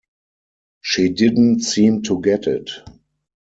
She didn't seem to get it.